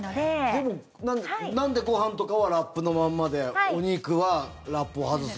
でも、なんでご飯とかはラップのまんまでお肉はラップを外す。